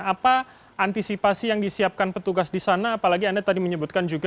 apa antisipasi yang disiapkan petugas di sana apalagi anda tadi menyebutkan juga